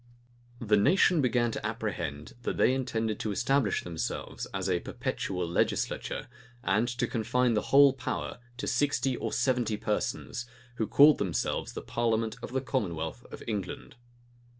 The nation began to apprehend that they intended to establish themselves as a perpetual legislature, and to confine the whole power to sixty or seventy persons, who called themselves the parliament of the commonwealth of England.